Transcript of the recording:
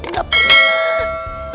tante gak pernah